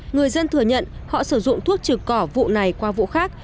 người dân thừa nhận họ sử dụng thuốc trừ cỏ vụ này qua vụ khác